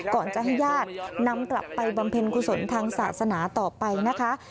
ก่อนจะให้ญาตินำกลับไปบำเพ็ญกุศลทางศาสนาต่อไปนะคะ